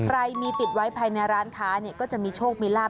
ใครมีติดไว้ภายในร้านค้าเนี่ยก็จะมีโชคมีลาบ